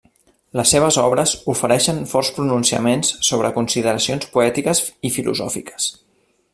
Les seves obres ofereixen forts pronunciaments sobre consideracions poètiques i filosòfiques.